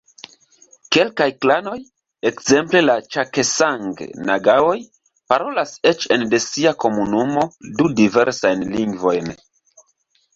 Kelkaj klanoj, ekzemple la ĉakesang-nagaoj, parolas eĉ ene de sia komunumo du diversajn lingvojn.